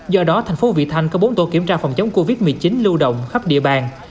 do đó thành phố vị thanh có bốn tổ kiểm tra phòng chống covid một mươi chín lưu động khắp địa bàn